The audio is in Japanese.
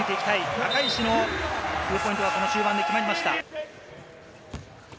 赤石のツーポイントがこの時間に決まりました。